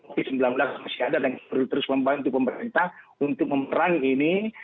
covid sembilan belas masih ada dan perlu terus membantu pemerintah untuk memperangi ini